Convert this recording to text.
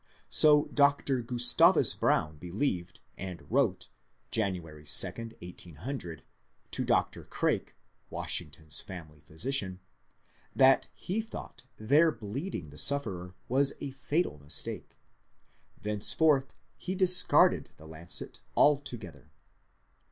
So Dr. Giistavus Brown believed, and wrote, January 2, 1800, to Dr. Craik, Wash ington's family physician, that he thought their bleeding the sufferer was the fatal mistake. Thenceforth he discarded the lancet altogether.